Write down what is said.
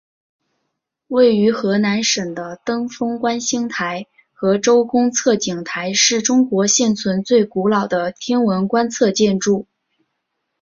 位于河南省的登封观星台和周公测景台是中国现存最古老的天文观测建筑。